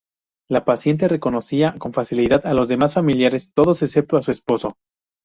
La paciente reconocía con facilidad a los demás familiares, todos excepto a su esposo.